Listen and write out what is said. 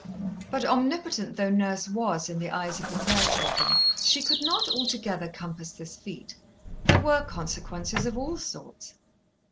But omnipotent though Nurse was, in the eyes of the Clare children, she could not altogether compass this feat. There were consequences of all sorts.